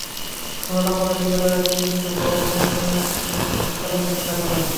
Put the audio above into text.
তুলনা করলে ক্রিকেটের চেয়ে কিন্তু গলফ অনেক অনেক সরল একটা খেলা।